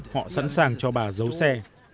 họ sẵn sàng cho bà giấu xe